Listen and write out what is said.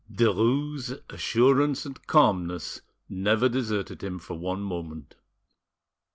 Derues' assurance and calmness never deserted him for one moment.